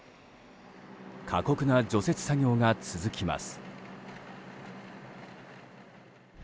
過酷な除雪作業が続きます。